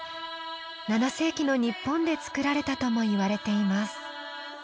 ７世紀の日本で作られたともいわれています。